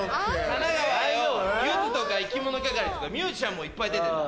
神奈川はよゆずとかいきものがかりとかミュージシャンもいっぱい出てんだ。